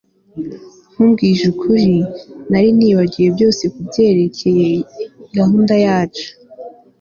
nkubwije ukuri, nari nibagiwe byose kubyerekeye gahunda yacu